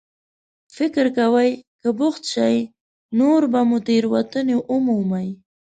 فکر کوئ که بوخت شئ، نور به مو تېروتنې ومومي.